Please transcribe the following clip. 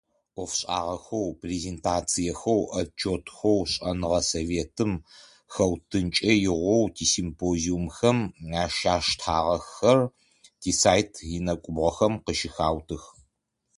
Ӏофшӏагъэхэу, презентациехэу, отчётхэу шӏэныгъэ советым хэутынкӏэ игъоу тисимпозиумхэм ащаштагъэхэр, тисайт инэкӏубгъохэм къащыхаутых.